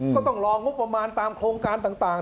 ต้องรองบประมาณตามโครงการต่าง